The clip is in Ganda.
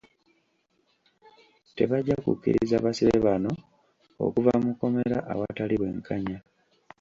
Tebajja kukkiriza basibe bano okuva mu kkomera awatali bwenkanya.